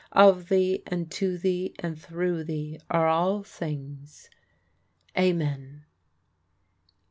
Of thee, and to thee, and through thee are all things. Amen."